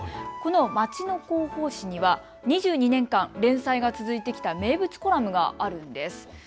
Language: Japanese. この町の広報誌には２２年間連載が続いてきた名物コラムがあるんです。